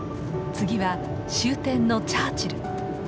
次は終点のチャーチル。